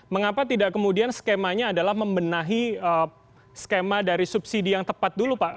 mengapa tidak kemudian skemanya adalah membenahi skema dari subsidi yang tepat dulu pak